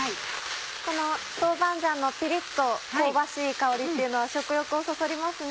この豆板醤のピリっと香ばしい香りっていうのは食欲をそそりますね。